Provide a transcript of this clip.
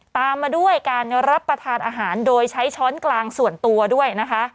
ตามมาด้วยการรับประทานอาหารโดยใช้ช้อนกลางส่วนตัวด้วยนะคะ